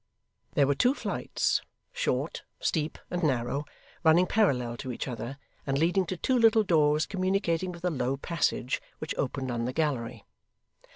There were two flights, short, steep, and narrow, running parallel to each other, and leading to two little doors communicating with a low passage which opened on the gallery.